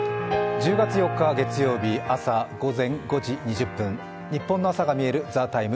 １０月４日月曜日、朝午前５時２０分、日本の朝が見える「ＴＨＥＴＩＭＥ，」